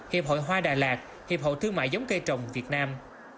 hiệp hội hoa đà lạt hiệp hội thương mại giống cây trồng việt nam